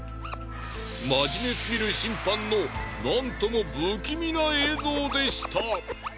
真面目すぎる審判の何とも不気味な映像でした。